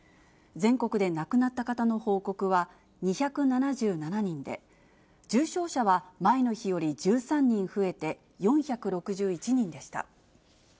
全国で亡くなった方の報告は２７７人で、重症者は前の日より１３人増えて４６１人でした。